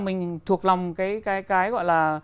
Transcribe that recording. mình thuộc lòng cái gọi là